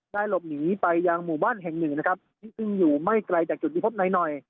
หลบหนีไปยังหมู่บ้านแห่งหนึ่งนะครับซึ่งอยู่ไม่ไกลจากจุดที่พบนายหน่อย